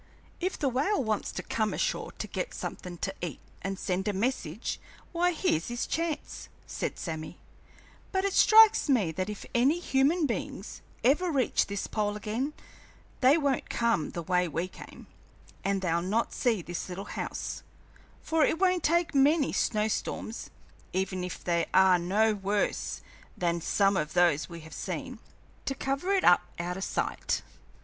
"If the whale wants to come ashore to get somethin' to eat and send a message, why, here's his chance!" said Sammy; "but it strikes me that if any human beings ever reach this pole again, they won't come the way we came, and they'll not see this little house, for it won't take many snow storms even if they are no worse than some of those we have seen to cover it up out o' sight."